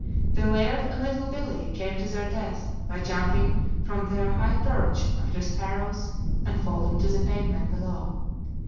The Laird and Little Billee came to their deaths by jumping from their high perch after sparrows and falling to the pavement below.